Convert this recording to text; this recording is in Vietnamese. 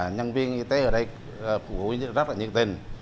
nhân viên y tế ở đây phục hồi rất là nhiệt tình